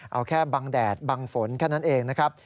เอาแค่บังแดดบังฝนแค่นั้นเองนะครับ